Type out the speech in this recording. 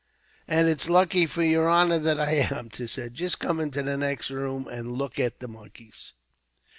"And it's lucky for your honor that I am," Tim said. "Jist come into the next room, and look at the monkeys."